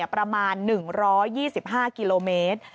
ประมาณ๑๒๕กิโลเมตร